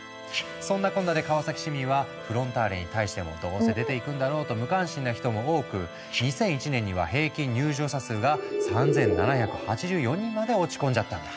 そんなこんなで川崎市民はフロンターレに対しても「どうせ出ていくんだろう」と無関心な人も多く２００１年には平均入場者数が３７８４人まで落ち込んじゃったんだ。